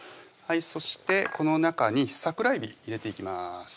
そしてこの中に桜えび入れていきます